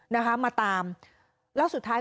นะคะมาตามแล้วสุดท้าย